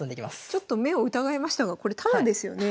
ちょっと目を疑いましたがこれタダですよね？